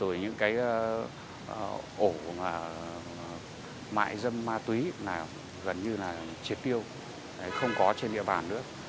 rồi những ổ mại dâm ma túy gần như là triệt tiêu không có trên địa bàn nữa